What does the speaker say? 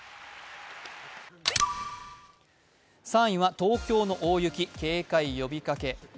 ３位は東京の大雪警戒呼びかけ。